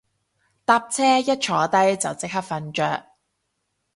搭車一坐低就即刻瞓着